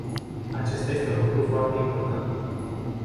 Acesta este un lucru foarte important.